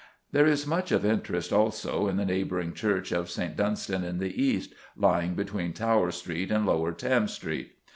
There is much of interest, also, in the neighbouring church of St. Dunstan in the East, lying between Tower Street and Lower Thames Street.